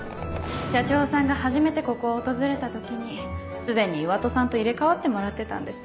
社長さんが初めてここを訪れた時にすでに岩戸さんと入れ替わってもらってたんです。